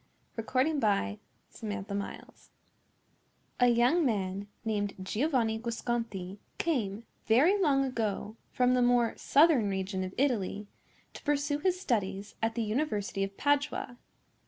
RAPPACCINI'S DAUGHTER A young man, named Giovanni Guasconti, came, very long ago, from the more southern region of Italy, to pursue his studies at the University of Padua.